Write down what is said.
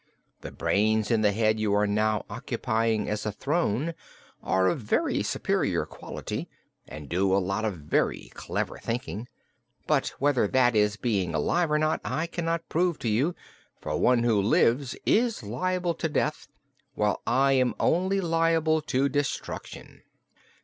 The brains in the head you are now occupying as a throne, are of very superior quality and do a lot of very clever thinking. But whether that is being alive, or not, I cannot prove to you; for one who lives is liable to death, while I am only liable to destruction."